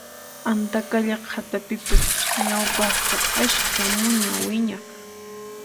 Antaqalla qhatapipas ñawpaqqa ashka muña wiñaq